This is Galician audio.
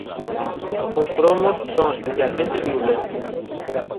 Algúns gromos son especialmente virulentos.